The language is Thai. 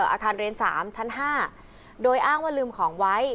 อาคารเรียน๓ชั้น๕โดยอ้างว่าลืมของไว้